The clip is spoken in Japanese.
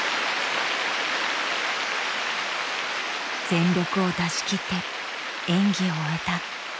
全力を出し切って演技を終えた。